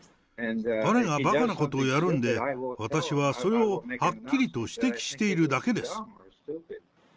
彼がばかなことをやるんで、私はそれをはっきりと指摘しているだけです。